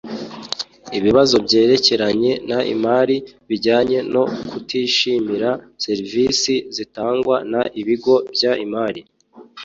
Ibibazo byerekeranye n imari bijyanye no kutishimira serivisi zitangwa n ibigo by imari